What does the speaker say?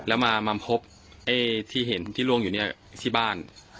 แล้วมาพบไอ้ที่เห็นที่ล่วงอยู่เนี่ยที่บ้าน